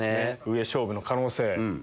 上勝負の可能性。